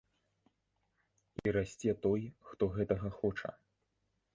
І расце той, хто гэтага хоча.